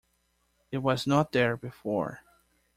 It was not there before.